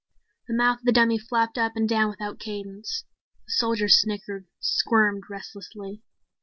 The mouth of the dummy flapped up and down without cadence. The soldiers snickered, squirmed restlessly.